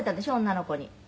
女の子に」